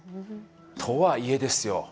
とはいえですよ